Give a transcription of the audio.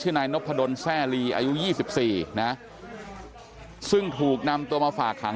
ชื่อนายนพระดนแทรรีอายุยี่สิบสี่นะฮะซึ่งถูกนำตัวมาฝากขัง